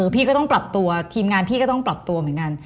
พี่ก็ต้องปรับตัวทีมงานพี่ก็ต้องปรับตัวเหมือนกัน